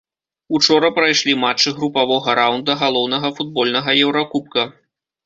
Учора прайшлі матчы групавога раўнда галоўнага футбольнага еўракубка.